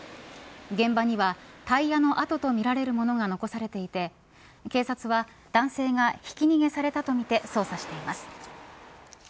現場にはタイヤの痕とみられるものが残されていて警察は男性がひき逃げされたとみて捜査しています。